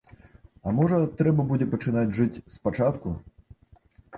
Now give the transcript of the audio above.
А можа трэба будзе пачынаць жыць спачатку?